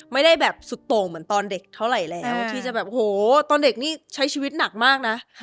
ไม่ได้แบบสุดโต่งเหมือนตอนเด็กเท่าไหร่แล้วที่จะแบบโหตอนเด็กนี่ใช้ชีวิตหนักมากนะ